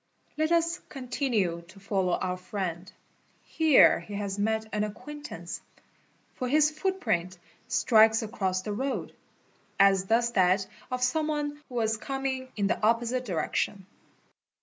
* Let us continue to follow our friend. Here he has met an acquain= _ tance—for his footprint strikes across the road, as does that of some one who was coming in the opposite direction.